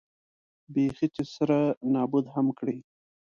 بېخي چې سره نابود هم کړي.